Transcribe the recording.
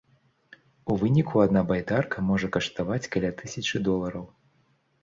У выніку адна байдарка можа каштаваць каля тысячы долараў.